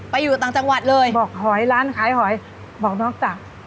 อยู่ต่างจังหวัดเลยบอกหอยร้านขายหอยบอกนอกจาก